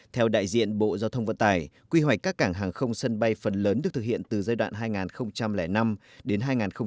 theo đại diện bộ giao thông vận tải quy hoạch các cảng hàng không sân bay phần lớn được thực hiện từ giai đoạn hai nghìn năm hai nghìn tám